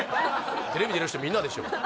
テレビ出る人みんなでしょ